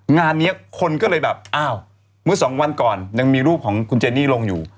งานนี้คนก็เลยแบบอ้าวเมื่อสองวันก่อนยังมีรูปของคุณเจนี่ลงอยู่